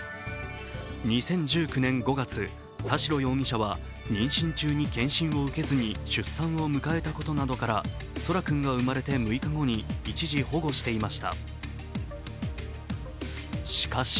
２０１９年５月、田代容疑者は妊娠中に健診を受けずに出産を迎えたことなどから空来君が生まれて６日後に一時保護していました。